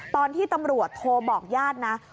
ตอนที่ตำรวจโทรบอกญาตินะ